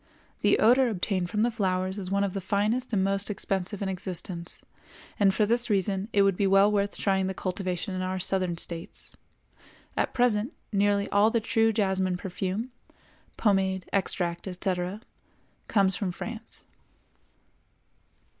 The odor obtained from the flowers is one of the finest and most expensive in existence, and for this reason it would be well worth trying the cultivation in our southern States. At present nearly all the true jasmine perfume (pomade, extract, etc.) comes from France.